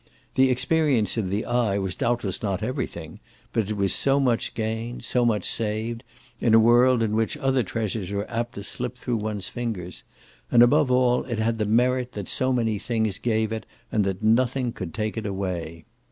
The experience of the eye was doubtless not everything, but it was so much gained, so much saved, in a world in which other treasures were apt to slip through one's fingers; and above all it had the merit that so many things gave it and that nothing could take it away.